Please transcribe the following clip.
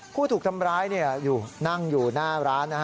ผู้ถูกทำร้ายนั่งอยู่หน้าร้าน